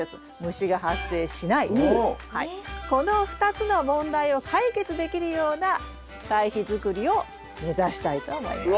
この２つの問題を解決できるような堆肥づくりを目指したいと思います。